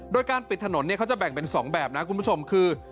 โดยการปิดถนนเขาจะแบ่งเป็น๒แบบนะคุณผู้ชมคือ